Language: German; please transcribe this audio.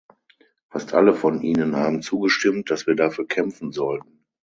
Fast alle von Ihnen haben zugestimmt, dass wir dafür kämpfen sollten.